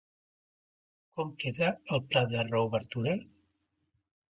Com queda el pla de reobertura?